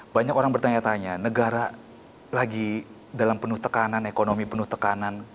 banyak orang bertanya tanya negara lagi dalam penuh tekanan ekonomi penuh tekanan